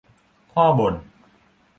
พ่อบ่น